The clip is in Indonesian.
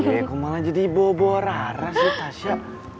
iya kok malah jadi bobo rara sih tasya